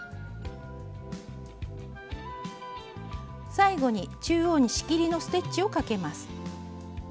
最後に中央に仕切りのステッチをかけます。